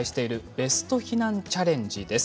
ベスト避難チャレンジです。